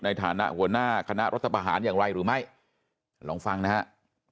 ในฐานะหัวหน้าคณะรัฐประหารอย่างไรหรือไม่ลองฟังนะฮะ